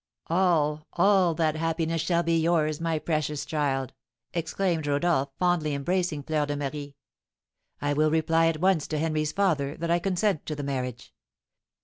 "All all that happiness shall be yours, my precious child!" exclaimed Rodolph, fondly embracing Fleur de Marie. "I will reply at once to Henry's father that I consent to the marriage.